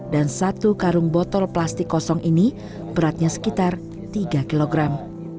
dan satu karung botol plastik kosong ini beratnya sekitar tiga kilogram